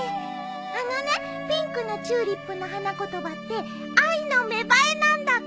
あのねピンクのチューリップの花言葉って「愛の芽生え」なんだって。